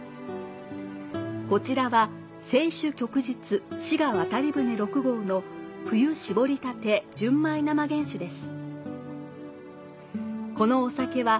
こちらは清酒「旭日滋賀渡船六号」の冬絞りたて純米生原酒です。